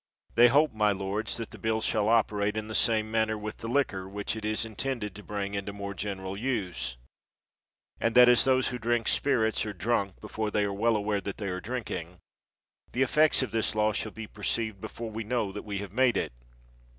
They hope, my lords, that the bill shall operate in the same manner with the liquor which it is intended to bring into more general use; and that, as those who drink spirits are drunk before they are well aware that they are drinking, the effects of this law shall be perceived before we know that we have made it.